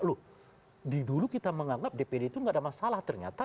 loh di dulu kita menganggap dpd itu nggak ada masalah ternyata